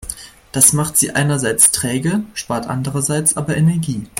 Das macht sie einerseits träge, spart andererseits aber Energie.